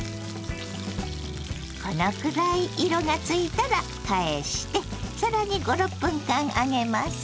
このくらい色がついたら返して更に５６分間揚げます。